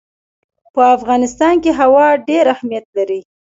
په افغانستان کې هوا ډېر اهمیت لري.